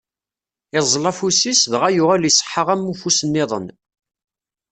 Iẓẓel afus-is, dɣa yuɣal iṣeḥḥa am ufus-nniḍen.